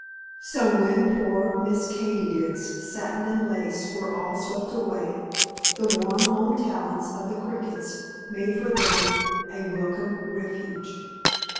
So when poor Miss Katy did's satin and lace were all swept away, the warm home talents of the Crickets made for them a welcome refuge.